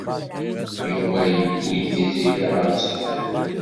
Yuba yewwi-d Tiziri ɣer usegnaf.